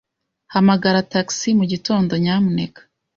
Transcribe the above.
Hamagara tagisi mugitondo, nyamuneka.